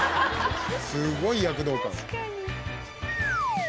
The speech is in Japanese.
すごい躍動感。